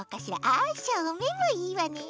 あしょうめんもいいわね。